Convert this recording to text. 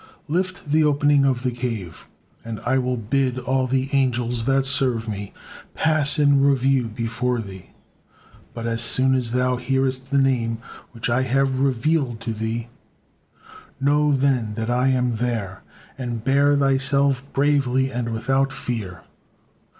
Lift the opening of the cave, and I will bid all the angels that serve Me pass in review before thee; but as soon as thou hearest the Name, which I have revealed to thee, know then that I am there, and bear thyself bravely and without fear.'